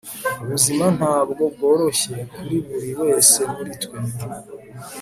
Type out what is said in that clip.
ubuzima ntabwo bworoshye kuri buri wese muri twe